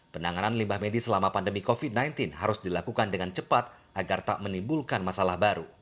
penanganan limbah medis selama pandemi covid sembilan belas harus dilakukan dengan cepat agar tak menimbulkan masalah baru